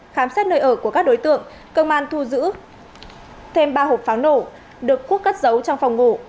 khám xét nơi ở của các đối tượng công an thu giữ thêm ba hộp pháo nổ được quốc cất giấu trong phòng ngủ